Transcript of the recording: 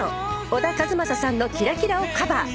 小田和正さんの『キラキラ』をカバー。